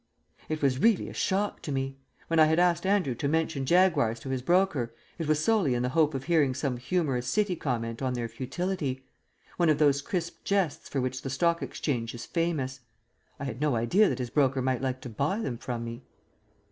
It was really a shock to me. When I had asked Andrew to mention Jaguars to his broker it was solely in the hope of hearing some humorous City comment on their futility one of those crisp jests for which the Stock Exchange is famous. I had no idea that his broker might like to buy them from me.